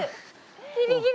ギリギリ。